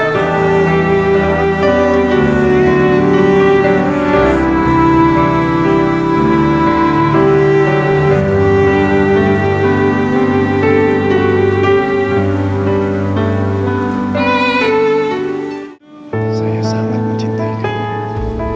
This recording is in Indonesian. sampai sejam lalu aku sangat mencintai pria